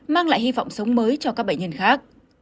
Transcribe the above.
mang lại hy vọng sống mới cho các bệnh nhân khác